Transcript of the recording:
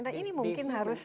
nah ini mungkin harus